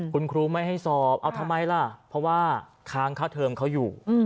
คุณครูไม่ให้สอบเอาทำไมล่ะเพราะว่าค้างค่าเทิมเขาอยู่